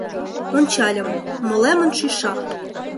Ончальым — молемын шӱша;